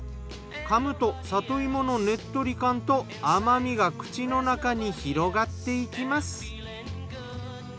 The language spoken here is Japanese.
かむと里芋のねっとり感と甘みが口の中に広がっていきます。